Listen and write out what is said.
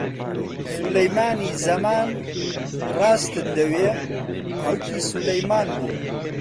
سولەیمانی زەمان، ڕاستت دەوێ، باوکی سولەیمان بوو